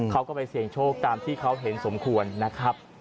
เขาก็ไปเสี่ยงโชคตามที่เขาเห็นสมควรนะครับ